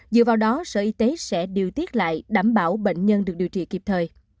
dựa vào đó sở y tế sẽ điều tiết lại đảm bảo bệnh nhân được điều trị kịp thời